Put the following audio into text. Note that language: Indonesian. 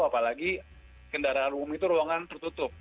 apalagi kendaraan umum itu ruangan tertutup